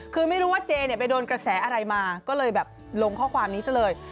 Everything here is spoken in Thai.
คือไม่รู้ว่าเจเนี่ยไปโดนกระแสอะไรมาก็เลยแบบลงข้อความนี้ซะเลย